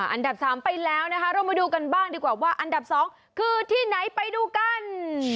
อันดับ๓ไปแล้วนะคะเรามาดูกันบ้างดีกว่าว่าอันดับ๒คือที่ไหนไปดูกัน